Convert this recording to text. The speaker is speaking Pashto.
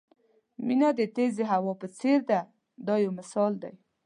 مینه د تېزې هوا په څېر ده دا یو مثال دی.